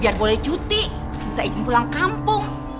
biar boleh cuti bisa izin pulang kampung